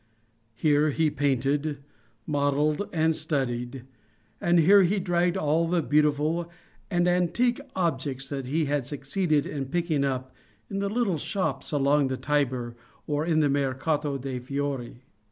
Here he painted, modelled and studied and here he dragged all the beautiful and antique objects that he succeeded in picking up in the little shops along the Tiber or in the Mercato dei Fiori.